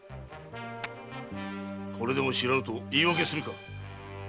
これでも知らぬと言い訳するか。